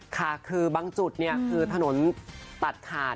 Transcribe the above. ค่ะคือบางจุดเนี่ยคือถนนตัดขาด